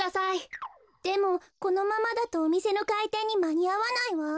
でもこのままだとおみせのかいてんにまにあわないわ。